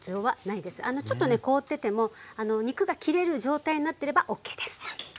ちょっとね凍ってても肉が切れる状態になってればＯＫです。